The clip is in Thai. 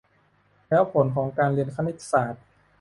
แล้วผลของการเรียนคณิตศาสตร์